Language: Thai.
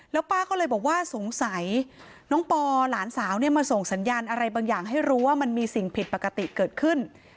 แล้วป้าก็เลยบอกว่าสงสัยน้องปอหลานสาวเนี่ยมาส่งสัญญาณอะไรบางอย่างให้รู้ว่ามันมีสิ่งผิดปกติเกิดขึ้น